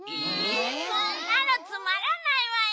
そんなのつまらないわよ！